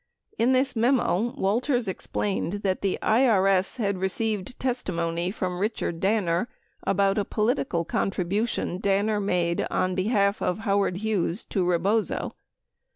92 In this memo, Walters explained that the IRS had received testimony from Richard Danner about a political contribution Danner made on be half of Howard Hughes to Rebozo.